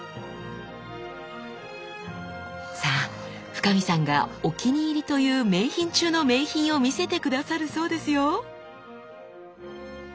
さあ深海さんがお気に入りという名品中の名品を見せて下さるそうですよ！